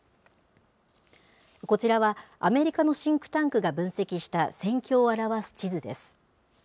こちらは、アメリカのシンクタンクが分析した、戦況を表す地図です。